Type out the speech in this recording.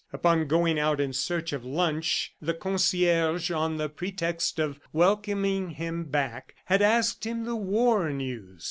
Upon going out in search of lunch the concierge, on the pretext of welcoming him back, had asked him the war news.